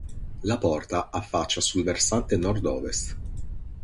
La porta affaccia sul versante Nord-Ovest.